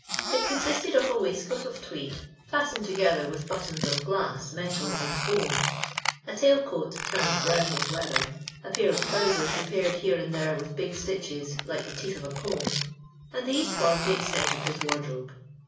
It con sisted of a waistcoat of tweed, fastened to gether with buttons of glass, metal, and bone ; 0 tail coat, turned brown with weather, a pair of trousers repiiircil lic ro and there with big stitches, like the tocth of a comb, and these forme<l the extent of Ids wui'drobo.